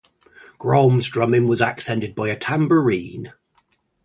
Grohl's drumming was accented by a tambourine.